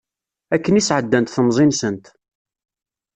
Akken i sɛeddant temẓi-nsent.